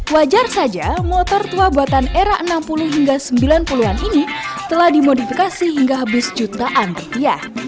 wajar saja motor tua buatan era enam puluh hingga sembilan puluh an ini telah dimodifikasi hingga habis jutaan rupiah